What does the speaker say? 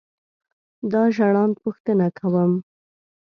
دا ژړاند پوښتنه کوم.